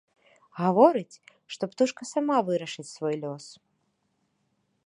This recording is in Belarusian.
Гаворыць, што птушка сама вырашыць свой лёс.